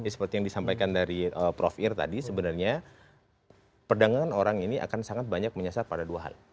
seperti yang disampaikan dari prof ir tadi sebenarnya perdagangan orang ini akan sangat banyak menyasar pada dua hal